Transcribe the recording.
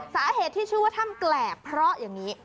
สาเหตุที่ชื่อว่าถ้ำแกรบเพราะอย่างนี้